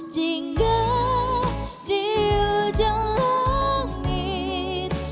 jika di ujung langit